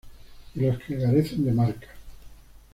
Y los que carecen de marca